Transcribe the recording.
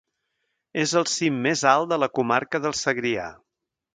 És el cim més alt de la comarca del Segrià.